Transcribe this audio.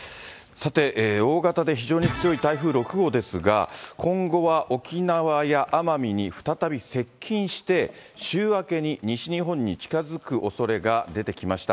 さて、大型で非常に強い台風６号ですが、今後は沖縄や奄美に再び接近して、週明けに西日本に近づくおそれが出てきました。